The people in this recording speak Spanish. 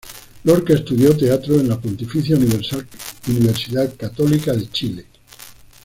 Lorca estudió teatro en la Pontificia Universidad Católica de Chile.